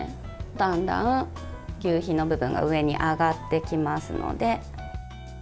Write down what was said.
だんだん求肥の部分が上に上がってきますので。